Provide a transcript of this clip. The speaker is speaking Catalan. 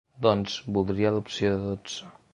Doncs voldria la opció de dotze.